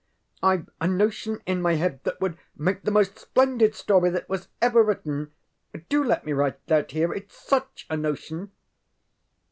ŌĆ£IŌĆÖve a notion in my head that would make the most splendid story that was ever written. Do let me write it out here. ItŌĆÖs such a notion!